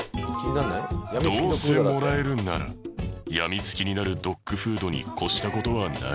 どうせもらえるなら病み付きになるドッグフードに越した事はないだろう。